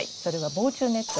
防虫ネット。